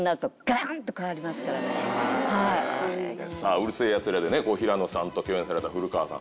『うる星やつら』でね平野さんと共演された古川さん。